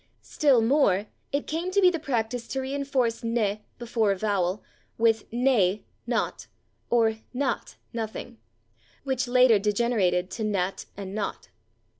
Still more, it came to be the practise to reinforce /ne/, before a vowel, with /nā/ (=/not/) or /naht/ (=/nothing/), which later degenerated to /nat/ and /not